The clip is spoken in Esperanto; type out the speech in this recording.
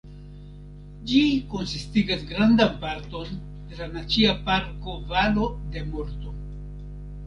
Ĝi konsistigas grandan parton de la Nacia Parko Valo de Morto.